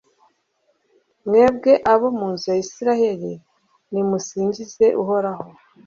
mwebwe abo mu nzu ya israheli, nimusingize uhoraho